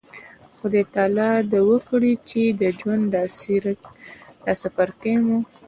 خدای تعالی د وکړي چې د ژوند دا څپرکی مو